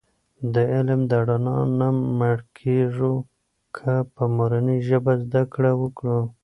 د علم د رڼا نه مړکېږو که په مورنۍ ژبه زده کړه وکړو.